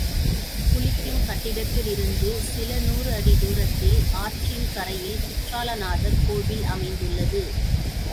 குளிக்கும் கட்டத்திலிருந்து சில நூறு அடி தூரத்தில், ஆற்றின் கரையில் குற்றால நாதர் கோவிலமைந்துள்ளது.